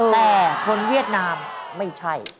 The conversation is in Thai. แต่คนเวียดนามไม่ใช่